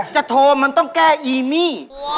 จะโทรมันต้องแก้อีมี่